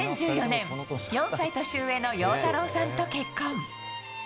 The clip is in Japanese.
２０１４年、４歳年上の陽太郎さんと結婚。